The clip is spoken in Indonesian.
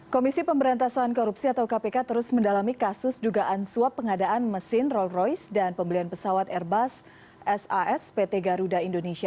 komisi pemberantasan korupsi atau kpk terus mendalami kasus dugaan suap pengadaan mesin rolls royce dan pembelian pesawat airbus sas pt garuda indonesia